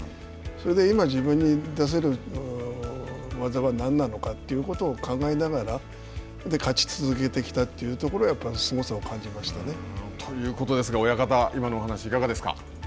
それで今、自分に出せる技は何なのかということを考えながら勝ち続けてきたというところはということですが、親方今のお話しいかがですか。